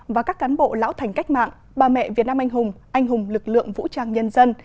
và các cán bộ lão thành cách mạng bà mẹ việt nam anh hùng anh hùng lực lượng vũ trang nhân dân